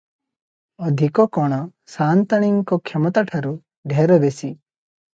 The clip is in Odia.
ଅଧିକ କଣ ସାଆନ୍ତାଣୀଙ୍କ କ୍ଷମତାଠାରୁ ଢେର ବେଶୀ ।